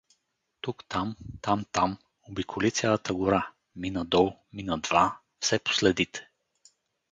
Тук-там, там-там, обиколи цялата гора, мина дол, мина два, все по следите.